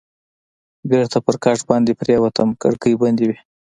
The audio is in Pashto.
بېرته پر کټ باندې پرېوتم، کړکۍ بندې وې.